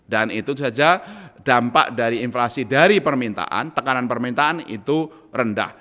dan itu saja dampak dari inflasi dari permintaan tekanan permintaan itu rendah